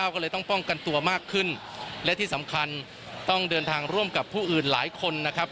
ก็เลยต้องป้องกันตัวมากขึ้นและที่สำคัญต้องเดินทางร่วมกับผู้อื่นหลายคนนะครับ